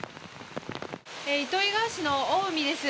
糸魚川市の青海です。